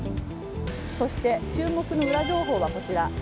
そして、注目のウラ情報はこちら。